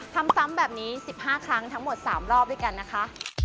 ทำซ้ำแบบนี้สิบห้าครั้งทั้งหมดสามรอบด้วยกันนะคะ